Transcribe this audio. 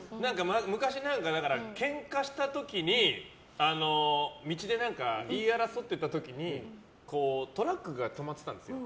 昔、ケンカした時に道で言い争ってた時にトラックが止まってたんですよ。